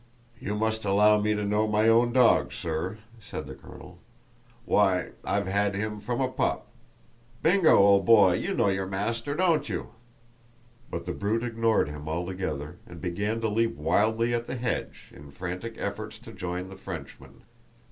"You must allow me to know my own dog, sir," said the colonel. "Why, I've had him from a pup. Bingo, old boy, you know your name, don't you?" But the brute ignored him altogether, and began to leap wildly at the hedge in frantic efforts to join the Frenchman.